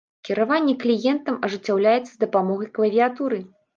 Кіраванне кліентам ажыццяўляецца з дапамогай клавіятуры.